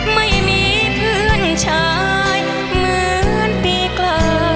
ไม่มีเพื่อนชายเหมือนปีกลาง